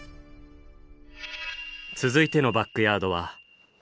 続いてのバックヤードは。